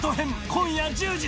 今夜１０時。